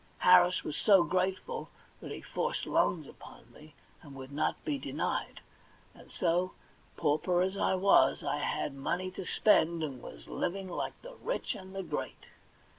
Harris was so grateful that he forced loans upon me, and would not be denied ; and so, pauper as I was, I had money to spend, and was living like the rich and the great.